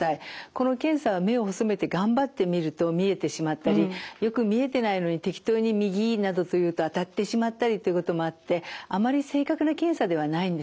この検査は目を細めて頑張って見ると見えてしまったりよく見えてないのに適当に「右」などと言うと当たってしまったりということもあってあまり正確な検査ではないんです。